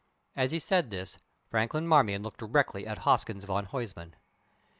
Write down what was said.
As he said this, Franklin Marmion looked directly at Hoskins van Huysman.